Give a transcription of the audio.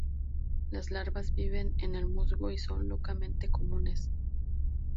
Las larvas viven en el musgo y son locamente comunes.